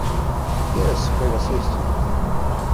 Jes, povas esti.